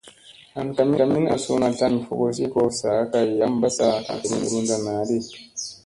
An ka min ana suuna tlan fogosi ko saa kay yam ɓassa kamerunda naɗi.